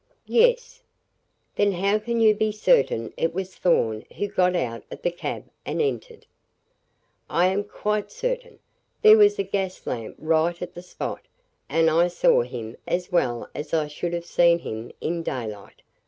"Yes." "Then how can you be certain it was Thorn who got out of the cab and entered?" "I am quite certain. There was a gas lamp right at the spot, and I saw him as well as I should have seen him in daylight.